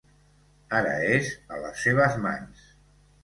Ara és a les seves mans.